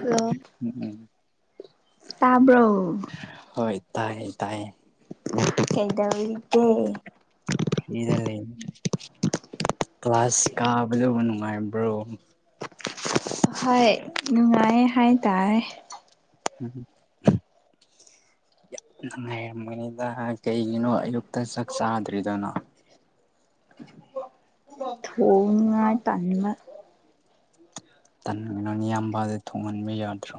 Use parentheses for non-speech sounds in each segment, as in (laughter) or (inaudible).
hello ꯎꯝ ꯎꯝ ꯇꯥꯕ꯭ꯔꯣ ꯍꯣꯏ ꯇꯥꯏꯌꯦ ꯇꯥꯏꯌꯦ ꯀꯧꯗꯧꯔꯤꯒꯦ ꯐ꯭ꯔꯤꯗ ꯂꯩ ꯀ꯭ꯂꯥꯁ ꯀꯥꯕꯗꯨꯕꯨ ꯅꯨꯡꯉꯥꯏꯕ꯭ꯔꯣ ꯍꯣꯏ ꯅꯨꯡꯉꯥꯏꯌꯦ ꯍꯥꯏ ꯇꯥꯏꯌꯦ (unintelligible) ꯌꯥꯝ ꯅꯨꯡꯉꯥꯏꯔꯝꯒꯅꯤꯗ ꯀꯩꯒꯤꯅꯣ ꯑꯌꯨꯛꯇ ꯆꯥꯛ ꯆꯥꯗ꯭ꯔꯤꯗꯨꯅ ꯊꯣꯡꯅꯤꯉꯥꯏ ꯇꯟꯕ ꯇꯥꯟꯒꯅꯣ ꯅꯌꯥꯝꯕꯗ ꯊꯣꯡꯍꯟꯕ ꯌꯥꯗ꯭ꯔꯣ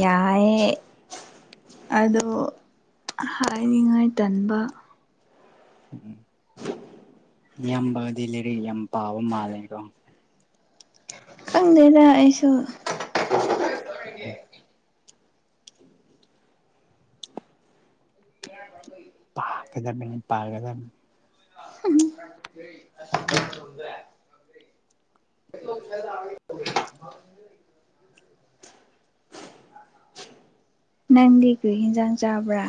ꯌꯥꯏꯌꯦ ꯑꯗꯣ ꯍꯥꯏꯅꯤꯡꯉꯥꯏ ꯇꯟꯕ (unintelligible) ꯅꯌꯝꯕꯒꯗꯤ ꯂꯩꯔꯤꯛ ꯌꯥꯝ ꯄꯥꯕ ꯃꯥꯜꯂꯦꯀꯣ ꯈꯪꯗꯦꯗ ꯑꯩꯁꯨ (unintelligible) ꯎꯝ ꯄꯥꯒꯗꯕꯅꯤ ꯄꯥꯒꯗꯝ (inaudible) (inaudible) ꯅꯪꯗꯤ ꯀꯔꯤ ꯍꯤꯟꯖꯥꯡ ꯆꯥꯕ꯭ꯔꯥ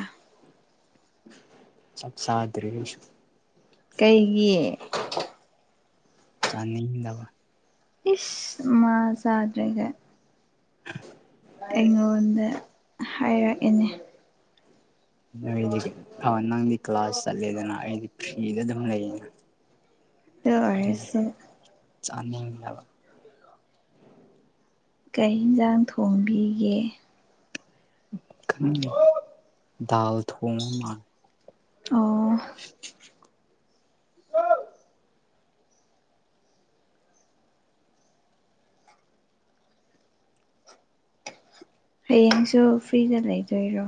ꯆꯥꯛ ꯆꯥꯗ꯭ꯔꯤ ꯑꯩꯁꯨ ꯀꯩꯒꯤ ꯆꯥꯅꯤꯡꯗꯕ ꯏꯁ ꯃꯥ ꯆꯥꯗ꯭ꯔꯒ (inaudible) ꯑꯩꯉꯣꯟꯗ ꯍꯥꯏꯔꯛꯏꯅꯦ ꯅꯣꯏꯗꯤ ꯑꯣ ꯅꯪꯗꯤ ꯀ꯭ꯂꯥꯁ ꯆꯠꯂꯦꯗꯅ ꯑꯩꯗꯤ ꯐ꯭ꯔꯤꯗ ꯑꯗꯨꯝ ꯂꯩꯌꯦꯅ ꯑꯗꯨ ꯑꯗꯨꯝ ꯑꯣꯏꯔꯁꯨ ꯆꯥꯅꯤꯡꯗꯕ ꯀꯩ ꯌꯦꯟꯁꯥꯡ ꯊꯣꯡꯕꯤꯒꯦ (unintelligible) ꯑꯣ ꯍꯌꯦꯡꯁꯨ ꯐ꯭ꯔꯤꯗ ꯂꯩꯗꯣꯏꯔꯣ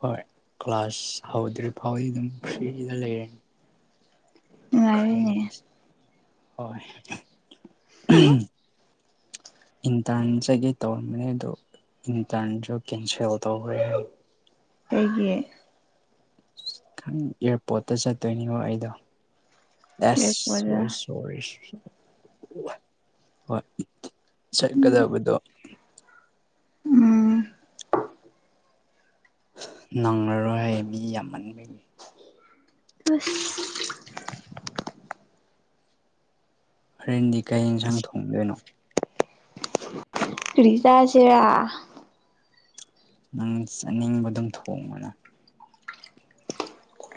ꯍꯣꯏ ꯀ꯭ꯂꯥꯁ ꯍꯧꯗ꯭ꯔꯤ ꯐꯥꯎꯗꯤ ꯗꯨꯝ ꯐ꯭ꯔꯤꯗ ꯂꯩꯔꯅꯤ ꯅꯨꯉꯥꯏꯔꯦꯅꯦ ꯍꯣꯏ ꯏꯟꯇꯔꯟ ꯆꯠꯀꯦ ꯇꯧꯔꯝꯕꯅꯦ ꯗꯨ ꯏꯟꯇꯔꯟ ꯗꯣ ꯀꯦꯟꯁꯦꯜ ꯇꯧꯈ꯭ꯔꯦ ꯀꯩꯒꯤ ꯑꯦꯌꯥꯔꯄꯣꯔꯠꯇ ꯆꯠꯇꯣꯏꯅꯤꯉꯣ ꯑꯩꯗꯣ ꯌꯦꯛꯄꯗ (unintelligible) ꯍꯣꯏ ꯆꯠꯀꯗꯕꯗꯣ ꯎꯝ ꯅꯪꯉꯔꯣꯏ ꯃꯤ ꯌꯥꯝꯃꯟꯕꯒꯤ (unintelligible) ꯍꯣꯌꯦꯡꯗꯤ ꯀꯩ ꯏꯟꯁꯥꯡ ꯊꯣꯡꯗꯣꯏꯅꯣ ꯀꯔꯤꯆꯥꯁꯤꯔ ꯅꯪ ꯆꯥꯅꯤꯡꯕꯗꯨꯝ ꯊꯣꯡꯉꯨꯅ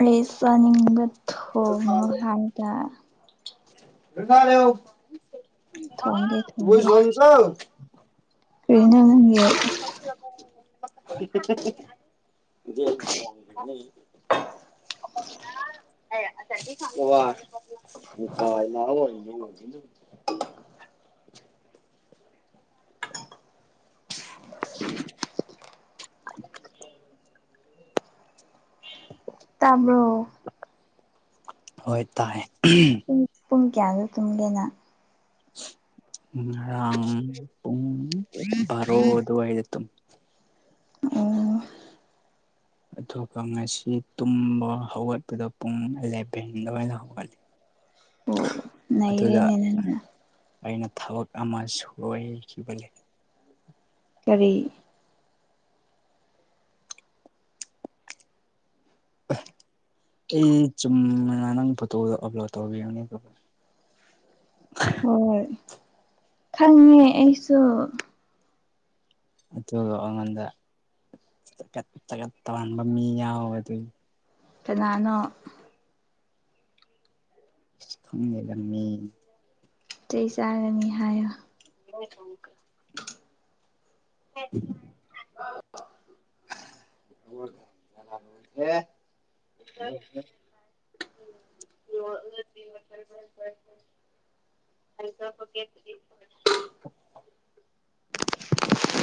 ꯑꯩ ꯆꯥꯅꯤꯡꯕꯗꯣ ꯍꯣꯏ ꯊꯣꯡꯉꯣ ꯍꯥꯏꯗ ꯊꯣꯡꯒꯦ ꯊꯣꯡꯒꯦ (unintelligible) ꯀꯔꯤꯅꯣ ꯅꯪꯒꯤ (inaudible) (unintelligible) (inaudible) (unintelligible) (inaudible) (inaudible) ꯇꯥꯕ꯭ꯔꯣ ꯍꯣꯏ ꯇꯥꯏ ꯄꯨꯡ ꯄꯨꯡ ꯀꯌꯥꯗ ꯇꯨꯝꯒꯦꯅ ꯉꯔꯥꯡ ꯄꯨꯡ ꯕꯥꯔꯣ ꯑꯗꯨꯋꯥꯢꯗ ꯇꯨꯝ ꯑꯣ ꯑꯗꯨꯒ ꯉꯁꯤ ꯇꯨꯝꯕ ꯍꯧꯒꯠꯄꯗ ꯄꯨꯡ ꯑꯦꯂꯦꯚꯦꯟ ꯗ꯭ꯋꯥꯢꯗ ꯍꯧꯒꯠꯂꯤ ꯑꯣ ꯑꯗꯨꯗ ꯅꯩꯔꯦꯅꯦ ꯅꯪꯅ ꯑꯩꯅ ꯊꯕꯛ ꯑꯃ ꯁꯣꯏꯈꯤꯕꯒꯤ ꯀꯔꯤ (unintelligible) ꯑꯩ ꯆꯨꯝꯅ ꯅꯪ ꯐꯣꯇꯣꯗꯣ ꯑꯞꯂꯣꯠ ꯇꯧꯕꯤꯒꯅꯤꯗꯣ ꯍꯣꯏ ꯈꯪꯉꯦ ꯑꯩꯁꯨ ꯑꯗꯣꯒ ꯑꯉꯣꯟꯗ ꯆꯒꯠ ꯆꯒꯠ ꯇꯧꯍꯟꯕ ꯃꯤ ꯌꯥꯎꯋꯦ ꯗꯨꯢ ꯀꯅꯥꯅꯣ ꯈꯪ ꯂꯩꯔꯝꯃꯦ ꯆꯩ ꯆꯥꯒꯅꯤ ꯍꯥꯏꯌꯣ (unintelligible) (unintelligible) (unintelligible) (unintelligible) (unintelligible)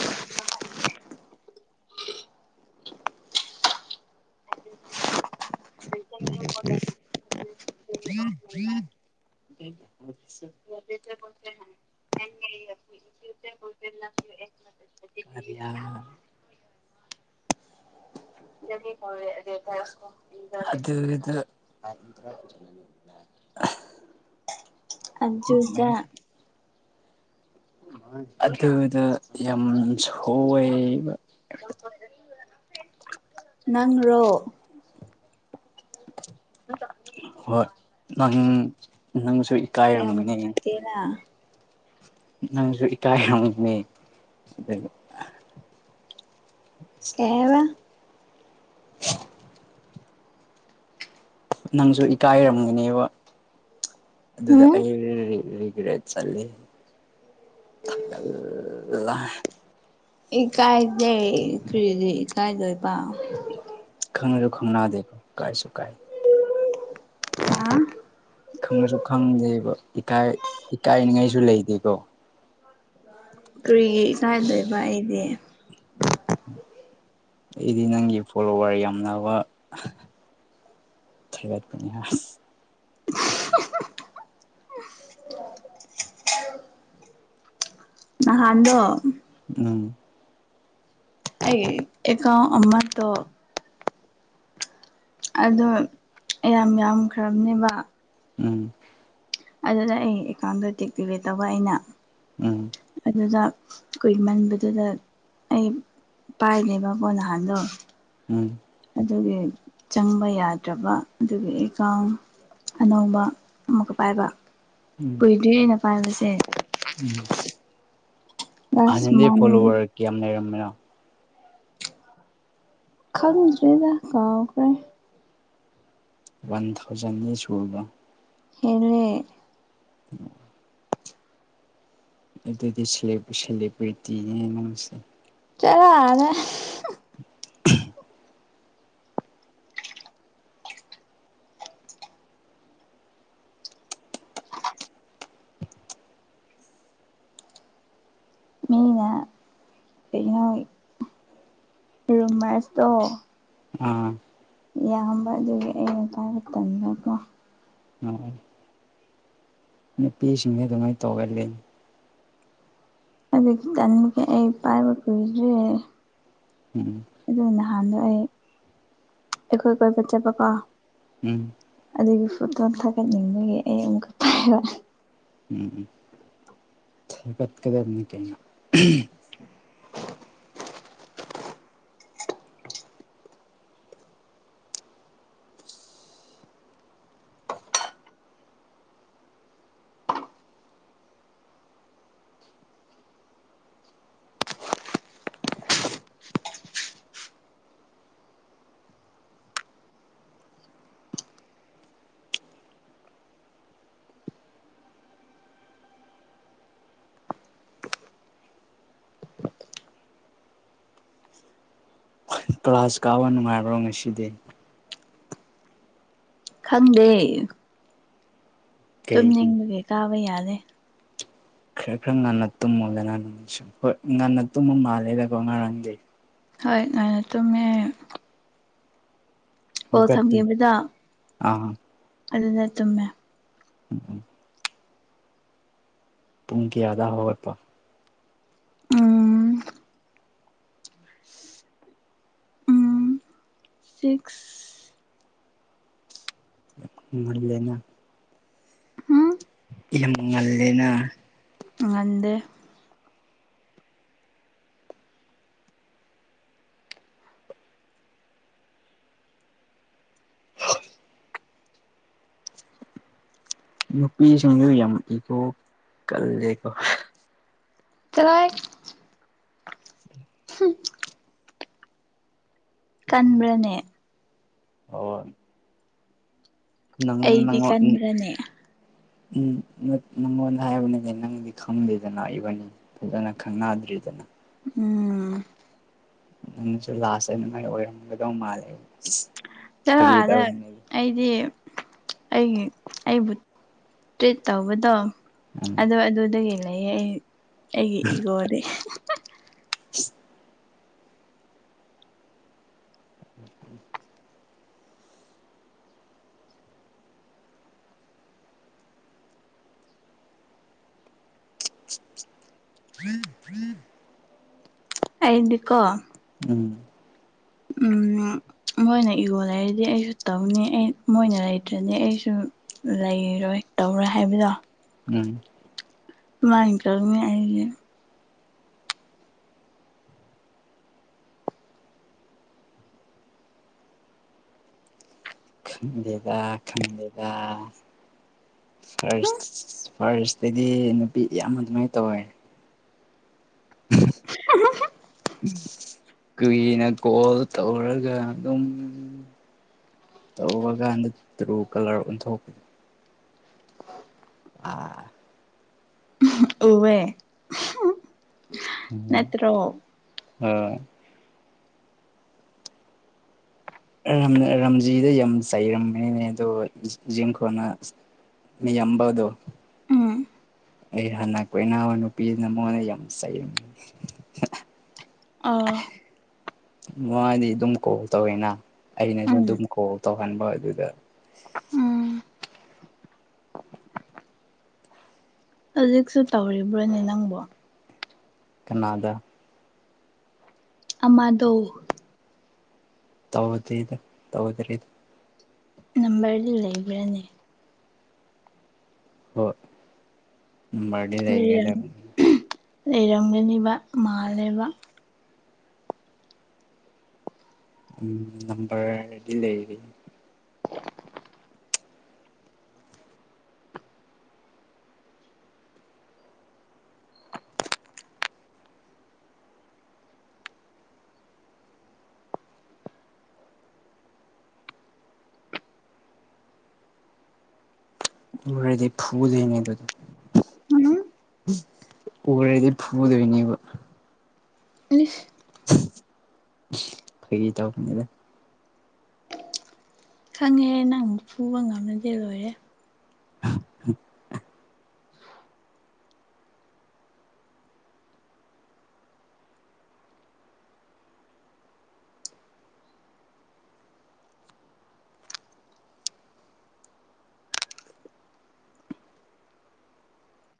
(unintelligible) (unintelligible) (inaudible) (unintelligible) (unintelligible) ꯑꯔꯦ ꯌꯥ (inaudible) (unintelligible) ꯑꯗꯨꯗ (unintelligible) ꯑꯖꯨꯖ ꯑꯗꯨꯗ ꯌꯥꯝ ꯁꯣꯏꯕ (inaudible) ꯅꯪꯔꯣ ꯍꯣꯏ ꯅꯪ ꯅꯪ ꯌꯥꯝ ꯏꯀꯥꯏꯔꯝꯒꯅꯤ ꯅꯨꯡꯉꯥꯏꯇꯦꯅ ꯅꯪꯁꯨ ꯏꯀꯥꯏꯔꯝꯒꯅꯤ ꯑꯗꯒꯤ ꯀꯩ ꯍꯥꯏꯕ ꯅꯪꯁꯨ ꯏꯀꯥꯏꯔꯝꯒꯅꯤꯕ ꯑꯗꯨꯗ ꯍꯨꯝ ꯑꯩ ꯔꯤ ꯔꯦꯠ ꯆꯜꯂꯤ (unintelligible) ꯏꯀꯥꯏꯗꯦ ꯀꯔꯤꯒꯤ ꯢꯀꯥꯏꯗꯣꯏ ꯈꯪꯁꯨ ꯈꯪꯅꯥꯗꯦ ꯀꯥꯏꯁꯨ ꯀꯥꯏ (unintelligible) ꯈꯪꯉꯁꯨ ꯈꯪꯗꯦꯕ ꯏꯀꯥꯏ ꯏꯀꯥꯏꯅꯤꯡꯉꯥꯏꯁꯨ ꯂꯩꯇꯦꯀꯣ ꯀꯔꯤꯒꯤ ꯏꯀꯥꯏꯗꯣꯏꯕ ꯑꯩꯗꯤ ꯑꯩꯗꯤ ꯅꯪꯒꯤ ꯐꯣꯂꯣꯋꯥꯔ ꯌꯥꯝꯅꯕ ꯊꯒꯠꯄꯅꯦ ꯑꯁ (unintelligible) ꯅꯍꯥꯟꯗꯣ ꯎꯝ ꯑꯩꯒꯤ ꯑꯦꯀꯥꯎꯅ ꯑꯃꯇꯣ ꯑꯗꯣ ꯌꯥꯝ ꯌꯥꯝꯈ꯭ꯔꯕꯅꯦꯕ ꯎꯝ ꯑꯗꯨꯗ ꯑꯩ ꯑꯦꯀꯥꯎꯟꯗ ꯗꯤꯑꯦꯛꯇꯤꯚꯦꯠ ꯇꯧꯕ ꯑꯩꯅ ꯎꯝ ꯑꯗꯨꯗ ꯀꯨꯏꯃꯟꯕꯗꯨꯗ ꯑꯩ ꯄꯥꯏꯕꯅꯦꯕ ꯀꯣ ꯅꯍꯜꯗꯣ ꯎꯝ ꯑꯗꯨꯒꯤ ꯆꯪꯕ ꯌꯥꯗ꯭ꯔꯕ ꯑꯗꯨꯒꯤ ꯑꯦꯀꯥꯎꯟ ꯑꯅꯧꯕ ꯑꯃꯨꯛꯀ ꯄꯥꯏꯕ ꯎꯝ ꯀꯨꯏꯗ꯭ꯔꯤ ꯑꯩꯅ ꯄꯥꯏꯕꯁꯦ ꯎꯝ ꯂꯥꯁ ꯍꯥꯟꯅꯗꯤ ꯃꯟ ꯐꯣꯂꯣꯋꯔ ꯀꯌꯥꯝ ꯂꯩꯔꯝꯃꯤꯅꯣ ꯈꯪꯗ꯭ꯔꯦꯗ ꯀꯥꯎꯈ꯭ꯔꯦ ꯋꯥꯟ ꯊꯥꯎꯖꯟꯗꯤ ꯁꯨꯔꯕ ꯍꯦꯜꯂꯦ (inaudible) ꯑꯗꯨꯗꯤ ꯁꯦꯂꯦ ꯁꯦꯂꯦꯕ꯭ꯔꯤꯇꯤꯅꯦ ꯅꯪꯁꯦ ꯆꯔ ꯑꯗ ꯎꯝꯍꯨ ꯃꯤꯅ ꯀꯩꯅꯣ ꯔꯨꯝꯃ꯭ꯔꯁꯇꯣ ꯑꯥ ꯌꯥꯝꯕ ꯑꯗꯨꯒꯤ ꯑꯩꯅ ꯄꯥꯏꯕ ꯇꯟꯕꯀꯣ ꯅꯨꯄꯤꯁꯤꯡꯁꯦ ꯑꯗꯨꯃꯥꯏ ꯇꯧꯒꯜꯂꯤ ꯑꯗꯨꯒꯤ ꯇꯟꯕꯒꯤ ꯑꯩ ꯄꯥꯏꯕ ꯀꯨꯏꯗ꯭ꯔꯤꯌꯦ ꯎꯝ ꯑꯍꯥꯟꯗ ꯑꯩ ꯑꯩꯈꯣꯏ ꯀꯣꯏꯕ ꯆꯠꯄꯀꯣ ꯎꯝ ꯑꯗꯨꯒꯤ ꯐꯣꯇꯣ ꯊꯥꯒꯠꯅꯤꯡꯕꯒꯤ ꯑꯩ ꯑꯃꯨꯛ (unintelligible) ꯎꯝ ꯎꯝ ꯊꯥꯒꯠꯀꯗꯕꯅꯤ ꯀꯩꯅꯣ ꯀ꯭ꯂꯥꯁ ꯀꯥꯕ ꯅꯨꯡꯉꯥꯏꯕ꯭ꯔꯣ ꯉꯁꯤꯗꯤ ꯈꯪꯗꯦ ꯀꯩꯒꯤ ꯇꯨꯝꯅꯤꯡꯕꯒꯤ ꯀꯥꯕ ꯌꯥꯗꯦ ꯈꯔ ꯈꯔ ꯉꯟꯅ ꯇꯨꯝꯃꯣꯗꯅ ꯅꯨꯃꯤꯠꯁꯨ ꯍꯣꯏ ꯉꯟꯅ ꯇꯨꯝꯕ ꯃꯥꯜꯂꯦꯗꯀꯣ ꯉꯔꯥꯡꯗꯤ ꯍꯣꯏ ꯉꯟꯅ ꯇꯨꯝꯃꯦ ꯀꯣꯜ ꯍꯧꯒꯠꯄ ꯊꯝꯈꯤꯕꯗꯣ ꯑꯥ ꯑꯗꯨꯗ ꯇꯨꯝꯃꯦ ꯎꯝ ꯎꯝ ꯄꯨꯡ ꯀꯤꯌꯥꯗ ꯍꯧꯒꯠꯄ ꯎꯝ ꯎꯝ ꯁꯤꯛꯁ ꯉꯜꯂꯦꯅ ꯎꯝ ꯌꯥꯝ ꯉꯜꯂꯦꯅ ꯉꯟꯗꯦ ꯅꯨꯄꯤꯁꯤꯡꯗꯨ ꯌꯥꯝ ꯏꯒꯣ ꯀꯜꯂꯦꯀꯣ ꯆꯂꯣꯍꯦꯛ ꯎ (inaudible) ꯀꯟꯕ꯭ꯔꯅꯦ ꯍꯣꯏ ꯅꯪ ꯑꯩꯗꯤ ꯅꯉꯣꯟ ꯎꯝ ꯀꯟꯕ꯭ꯔꯅꯦ ꯎꯝ ꯅꯪ ꯅꯉꯣꯟꯗ ꯍꯥꯏꯕꯅꯤ ꯅꯪꯗꯤ ꯈꯪꯗꯦꯗ ꯏꯕꯅꯤ ꯐꯖꯅ ꯈꯪꯅꯗ꯭ꯔꯤꯗꯅ ꯍ (inaudible) ꯅꯪꯁꯨ (unintelligible) ꯑꯣꯏꯔꯝꯒꯗꯧꯕ ꯃꯥꯜꯂꯦ ꯆꯠꯂꯣ ꯐꯥꯒꯤ ꯑꯥꯗ ꯇꯧꯕꯅꯦ ꯑꯩꯗꯤ ꯑꯩꯒꯤ ꯑꯩꯕꯨ ꯇ꯭ꯔꯤꯠ ꯇꯧꯕꯗꯣ ꯎꯝ ꯑꯗꯣ ꯑꯗꯨꯗꯒꯤ ꯂꯩꯌꯦ ꯑꯩ ꯑꯩꯒꯤ ꯏꯒꯣꯗꯤ (inaudible) ꯑꯩꯗꯤꯀꯣ ꯎꯝ ꯎꯝ ꯃꯣꯏꯅ ꯏꯒꯣ ꯂꯩꯔꯗꯤ ꯑꯩꯁꯨ ꯇꯧꯅꯤ ꯑꯩ ꯃꯣꯏꯅ ꯂꯩꯇ꯭ꯔꯗꯤ ꯑꯩꯁꯨ ꯂꯩꯔꯣꯏ ꯇꯧꯔꯣꯏ ꯍꯥꯏꯕꯗꯣ ꯎꯝ ꯃꯅꯤ ꯅꯠꯇ꯭ꯔ ꯑꯩꯒꯤ ꯈꯪꯗꯦꯗ ꯈꯪꯗꯦꯗ ꯐꯔꯁ ꯐꯥꯔꯁꯇꯗꯤ ꯅꯨꯄꯤ ꯌꯥꯝ ꯑꯗꯨꯃꯥꯏ ꯇꯧꯋꯦ (inaudible) ꯎꯝ ꯀꯨꯏꯅ ꯀꯣꯜ ꯇꯧꯔꯒ ꯑꯗꯨꯝ ꯇꯧꯕꯀꯥꯟꯗ ꯇ꯭ꯔꯨ ꯀꯂꯔ ꯑꯣꯟꯊꯣꯛꯈꯤ ꯑꯥ ꯎꯋꯦ ꯅꯠꯇ꯭ꯔꯣ ꯍꯣꯏ ꯔꯝ ꯔꯝꯖꯤꯗ ꯌꯥꯝ ꯆꯩꯔꯝꯃꯦꯅꯦ ꯑꯗꯣ ꯖꯤꯡꯈꯣꯅꯥꯠ ꯃꯤꯌꯥꯝꯕꯗꯣ ꯎꯝ ꯑꯩ ꯍꯥꯟꯅ ꯀꯣꯅꯕ ꯅꯨꯄꯤꯗꯨꯅ ꯃꯉꯣꯟꯗ ꯌꯥꯝ ꯆꯩꯔꯝꯃꯦ ꯑꯥ ꯃꯥꯗꯤ ꯑꯗꯨꯝ ꯀꯣꯜ ꯇꯧꯋꯤꯅ ꯑꯩꯅꯁꯨ ꯎꯝ ꯑꯗꯨꯝ ꯀꯣꯜ ꯇꯧꯍꯟꯕ ꯑꯗꯨꯗ ꯎꯝ ꯍꯧꯖꯤꯛꯁꯨ ꯇꯧꯔꯤꯕ꯭ꯔꯅꯦ ꯅꯪꯕꯣ ꯀꯅꯥꯗ ꯑꯃꯗꯣ ꯇꯧꯗꯦꯗ ꯇꯧꯗ꯭ꯔꯤꯗ ꯅꯝꯕꯔꯗꯤ ꯂꯩꯕ꯭ꯔꯅꯦ ꯍꯣꯏ ꯅꯝꯕ꯭ꯔꯗꯤ ꯂꯩꯔꯝ ꯂꯩꯔꯦꯗ ꯍꯧꯖꯤꯛ ꯂꯩꯔꯝꯒꯅꯤꯕ ꯃꯥꯜꯂꯦꯕ ꯎꯝ ꯅꯝꯕ꯭ꯔꯗꯤ ꯂꯩ ꯎꯔꯗꯤ ꯐꯨꯗꯣꯏꯅꯤ ꯑꯗꯨ ꯎꯝ ꯎꯔꯗꯤ ꯐꯨꯗꯣꯏꯅꯦꯕ ꯏꯁ ꯐꯒꯤ ꯇꯧꯕꯅꯤꯗ ꯈꯪꯉꯦꯍꯦ ꯅꯪ ꯐꯨꯕ ꯉꯝꯔꯗꯤ ꯂꯣꯏꯔꯦ (unintelligible)